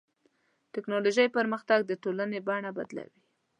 د ټکنالوجۍ پرمختګ د ټولنې بڼه بدلوي.